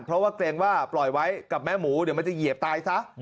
เพราะว่าเกรงว่าปล่อยไว้กับแม่หมูเดี๋ยวมันจะเหยียบตายซะ